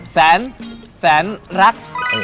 แสนแสนรัก